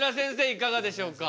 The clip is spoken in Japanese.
いかがでしょうか？